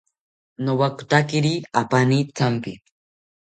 Nowakotakiri apani thampi